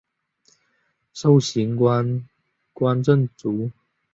授刑部观政卒。